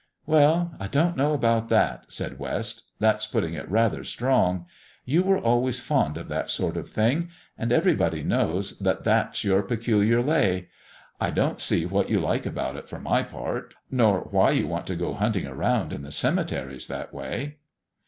"Well, I don't know about that," said West. "That's putting it rather strong. You were always fond of that sort of thing, and everybody knows that that's your peculiar lay. I don't see what you like about it, for my part, nor why you want to go hunting around in the cemeteries that way."